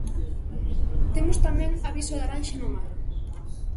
Temos tamén aviso laranxa no mar.